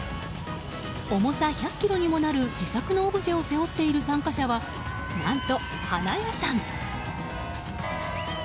重さ１００ｋｇにもなる自作のオブジェを背負っている参加者は何と花屋さん。